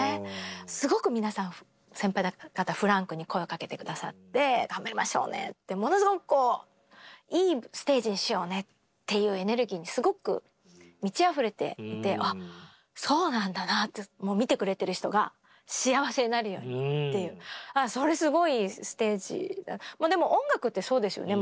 すごく皆さん先輩方フランクに声をかけて下さって「頑張りましょうね」ってものすごくこういいステージにしようねっていうエネルギーにすごく満ちあふれていてあっそうなんだなって見てくれてる人が幸せになるようにっていうああそれすごいいいステージでも音楽ってそうですよね。